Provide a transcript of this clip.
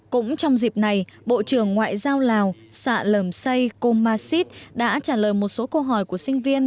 cũng trong dịp này bộ trưởng ngoại giao lào xạ lầm say cô ma xít đã trả lời một số câu hỏi của sinh viên